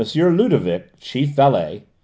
Ludovic chief valet, M.